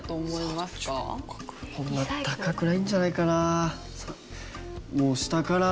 そんな高くないんじゃないかな。